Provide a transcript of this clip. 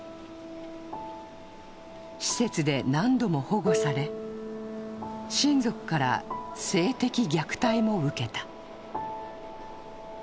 施設で何度も保護され、親族から性的虐待も受けた。